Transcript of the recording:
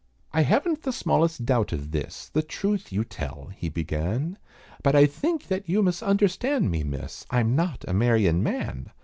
"I haven't the smallest doubt of this The truth you tell," he began; "But I think that you misunderstand me miss, I am not a marryin' man.